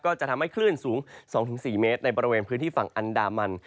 จะทำให้คลื่นสูง๒๔เมตรในบริเวณพื้นที่ฝั่งอันดามัน